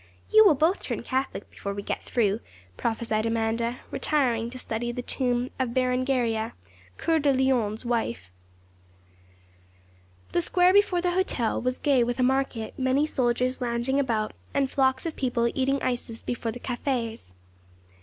'You will both turn Catholic before we get through,' prophesied Amanda, retiring to study the tomb of Berengaria, Coeur de Lion's wife. The square before the hotel was gay with a market, many soldiers lounging about, and flocks of people eating ices before the cafés.